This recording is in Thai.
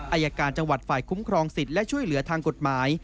อายการจังหวัดฝ่ายคุ้มครองสิทธิ์และช่วยเหลือทางกฎหมาย